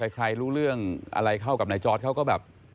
ใครรู้เรื่องอะไรเข้ากับนายจอร์ดเขาก็แบบ